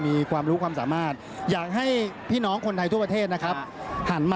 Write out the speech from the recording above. พี่เอกครอภผมเราเจอกันในอีกรูปแบบหนึ่งนะ